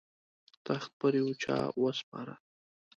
تخت پر یوه چا وسپاره.